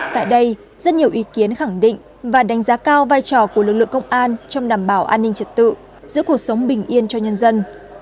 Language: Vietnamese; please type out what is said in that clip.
tại đây rất nhiều ý kiến khẳng định và đánh giá cao vai trò của lực lượng công an trong đảm bảo an ninh trật tự giữ cuộc sống bình yên cho nhân dân